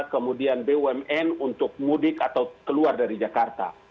kemudian bumn untuk mudik atau keluar dari jakarta